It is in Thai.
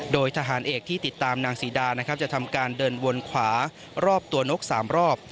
โดยทหารเอกที่ติดตามนางศรีดานะครับจะทำการเดินวนขวารอบตัวนก๓รอบ